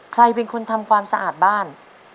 ใครเป็นคนทำความสะอาดบ้าน